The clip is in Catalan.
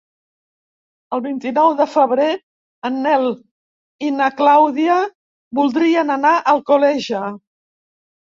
El vint-i-nou de febrer en Nel i na Clàudia voldrien anar a Alcoleja.